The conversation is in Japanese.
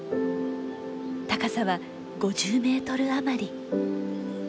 高さは５０メートル余り。